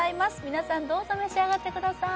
皆さんどうぞ召し上がってください